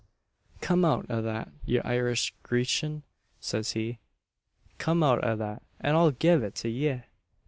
Come out o' that, ye Irish Grecian, says he come out o' that, and I'll give it to ye!